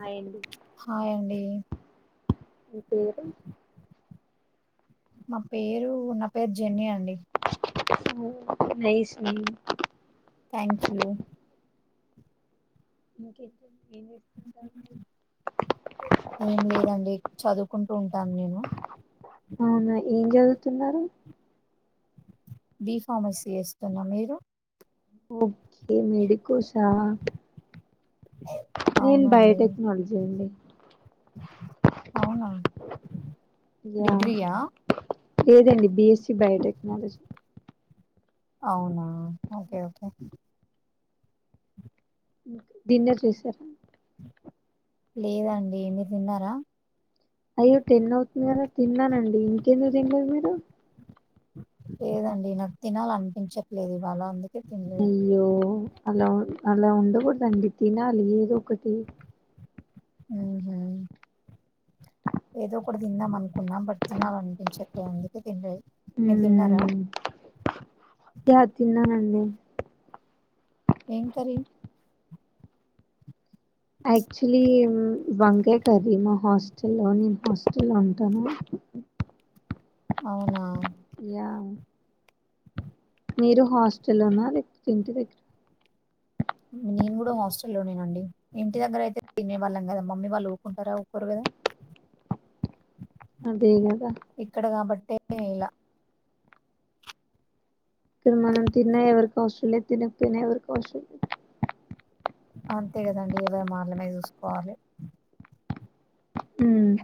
Hi అండి హాయండి మీ పేరు మా పేరు నా పేరు జెన్నీ అండి oh nice nice thank you ముకే ఎంతుంది ఏం చేస్తుంటారు మీరు ఏం ఎంలేండి లేదండి నేను చదువుకుంటూ చాడుకుంటుంటా ఉంటాను నేను అండి అవునా ఏం చదువుతున్నారు బి ఫార్మసీ చేస్తునా మీరు ఓకే మెడికోసా నేను అవునండి బయోటెక్నాలజీ అండి అవునా యా డిగ్రీయా లేదండి బిఎస్స బయోటెక్నాలజీ అవునా ఓకే ఓకే డిన్నర్ చేసారా లేదండేమి తిన్నారా అయ్యో టేన్ అవుతుంది కదా తిన్నానండి ఇంకెందుకు తింటదు మీరు లేదండి నాకు తినాలి అనిపించట్లేదు ఇవాళ అందుక తన్నడు అయ్యో అలా అలా ఉండకూడద అండి తినాలి ఏద ఒకటి ఆ హ ఏదో కూడా తిందా మనకి న్నా పడుతున్నా అందించ అందుక తింటయి మీరు తిన్నారా మ్మ్. యా తిన్నానండి ఏంకరీ యాక్చువలీ వంకాయ కరి మా హాస్టల్లో నేను హాస్టల్ ఉంటాను అవునా యా మీరు హాస్టల్లోన లేక ఇంటి దగ్గర నేను కూడా హాస్టల్లోనేనండి ఇంటి దగ్గర అయితే తినేవాళ్ళం కదా మమ్మీ వాళ్ళు ఊకుంటారా ఊకోరు కదా అదే కదా ఇక్కడ కాబట్టే నీలా ఇక్కడ మనం తిన్నా ఎవరికి ఆస్టేలియా తిన వి ఎరి కో వషం అంతే కదండి ఏవ మార్లమే చూసు కోలి మ్మ్.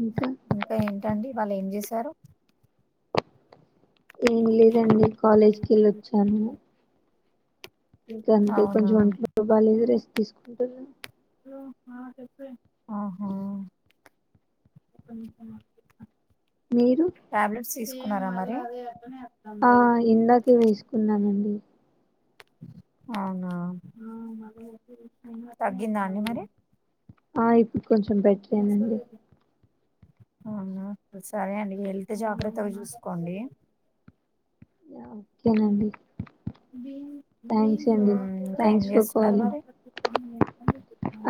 ఇంకా ఇంకా ఏంటండి వాళ్ళు ఏం చేశారు ఏమి లేదండి కాలేజ్కి వెళ్ళొచ్చాను ఇంకా అంతే అవునా కొంచెం అంట్లో బాలదు రేసి తీసుకుంటారు కొ మీరు ట్యాబ్లెట్స్ తీసు న్నారా మరి ఆ ఇందాకే వేసుకున్నానండి అవునా తగ్గిందా అండి మరి ఆ ఇప్పుడు కొంచెం బెటరేనండి అవునా సరే అండి హెల్త్ జాగ్రత్తగా చూసుకోండి ఓకేనండి థ్యాంక్స్ అండి ఇంకా ఏం థ్యాంక్స్ ఫర్ చేస్తున్నారు కాలింగ్ మరి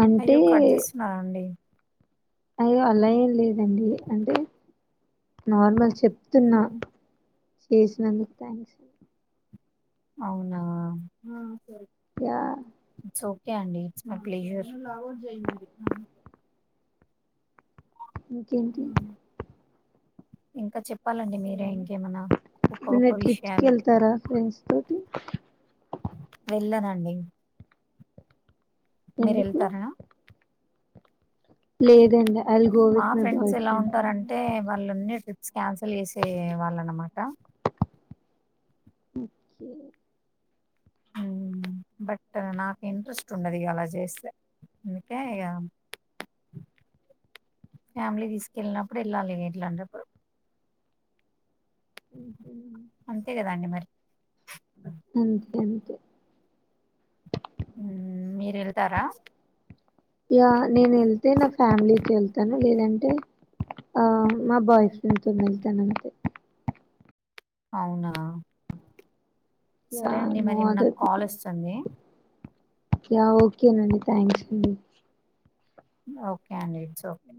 అంటే అయ్యో కట్ చేస్తున్నారాండి అయ్యో అలా ఏం లేదండి అంటే నార్మల్ చెప్తున్నా చేసినందుకు థ్యాంక్స్ అవునా యా ఒకే అండి మై ప్లేజర్ ఇంకేంటి ఇంకా చెప్పాలండి మీరే ఇంకేమనా ఏమన్నా ట్రిప్స్ కి వెళ్తారా ఫ్రెండ్స్ తోటి అండి మీరు ఎందుకు వెళ్తారనా లేదండి ఐల్ గో మా విత్ మై ఫ్రెండ్స్ బాయ్ ఎలా ఫ్రెండ్ ఉంటారంటే వాళ్ళన్నే ట్రిప్ క్యాన్సల్ చేసే వాళ్ళ అన్నమాట ఓకే హు బట్ నాకు ఇంట్రెస్ట్ ఉండదు ఇక అలా చేస్తే అందుకే ఇక ఫ్యామిలీ తీసుకెళ్ళినప్పుడు వెళ్ళాలి ఇట్లా అంటప్పుడు అంతే కదండి మరి మ్మ్. అంతే అంతే హు మీరు వెళ్తారా యా నేను వెళ్తే నా ఫ్యామిలీతో వెళ్తాను లేదంటే ఆ మా బాయ్ ఫ్రెండ్ తో వెళ్తాను అంతే అవునా యా సరే అండి నో మరి నాకు అదర్ కాల్ పీపుల్. వస్తుంది యా ఓకేనండి థ్యాంక్స్ అండి ఓకే అండి it's okay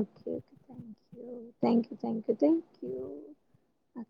okay okay thank you thank you thank you thank you